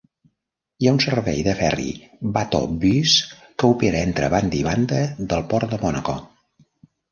Hi ha un servei de ferri "Bateaubus" que opera entre banda i banda del port de Mònaco.